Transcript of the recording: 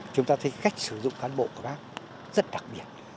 chúng ta thấy cách sử dụng cán bộ của bác rất đặc biệt